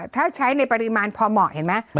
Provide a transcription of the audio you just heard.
ถ้าใช้ในปริมาณพอเหมาะเห็นไหม